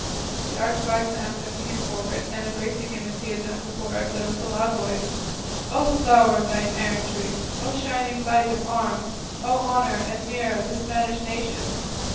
The arch wag Samson came forward, and embracing him as he had done before, said with a loud voice, "O flower of knight errantry! O shining light of arms! O honour and mirror of the Spanish nation!